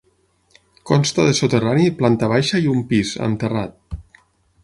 Consta de soterrani, planta baixa i un pis, amb terrat.